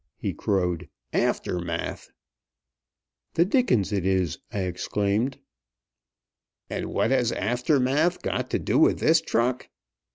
he crowed. "Aftermath!" "The dickens it is!" I exclaimed. "And what has aftermath got to do with this truck?